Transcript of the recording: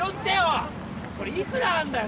これいくらあんだよ。